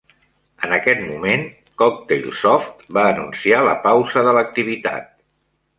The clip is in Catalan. En aquest moment, Cocktail Soft va anunciar la pausa de l'activitat.